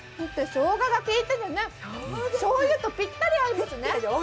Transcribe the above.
しょうががきいててね、しょうゆとぴったり合いますね。